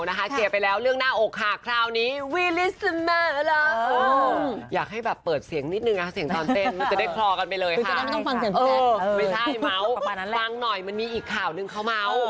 ไม่ใช่เมาส์ฟังหน่อยมันมีอีกข่าวนึงเขาเมา